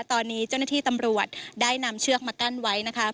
ตอนนี้เจ้าหน้าที่ตำรวจได้นำเชือกมากั้นไว้นะคะ